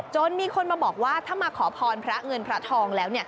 มีคนมาบอกว่าถ้ามาขอพรพระเงินพระทองแล้ว